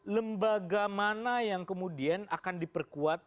lembaga mana yang kemudian akan diperkuat